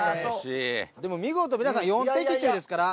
でも見事皆さん４的中ですから。